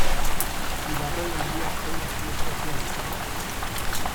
Ubarroi handiak sei azpiespezie ditu.